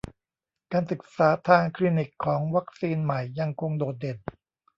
การศึกษาทางคลินิกของวัคซีนใหม่ยังคงโดดเด่น